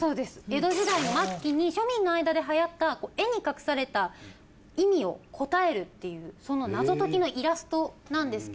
江戸時代の末期に庶民の間ではやった絵に隠された意味を答えるっていうその謎解きのイラストなんですけれども。